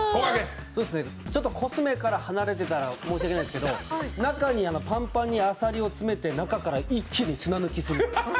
ちょっとコスメから離れてたら申し訳ないですけど、中にパンパンにあさりを詰めて中から一気に砂抜きする。